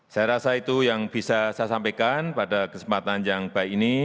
saya rasa itu yang bisa saya sampaikan pada kesempatan yang baik ini